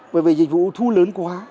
bởi vì dịch vụ thu lớn quá